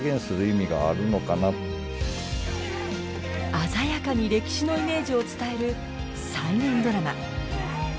鮮やかに歴史のイメージを伝える再現ドラマ。